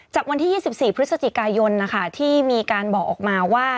จากวันที่๒๔พฤศจิกายนที่มีการบอกออกมาว่า